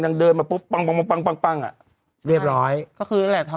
แล้วนางนางด่ากลับ